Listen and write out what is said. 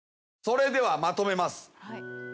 それではまとめます。